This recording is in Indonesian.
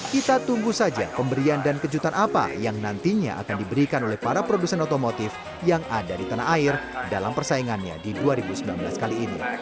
kita tunggu saja pemberian dan kejutan apa yang nantinya akan diberikan oleh para produsen otomotif yang ada di tanah air dalam persaingannya di dua ribu sembilan belas kali ini